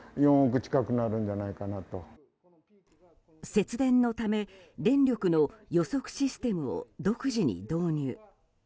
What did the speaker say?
節電のため電力の予測システムを独自に導入。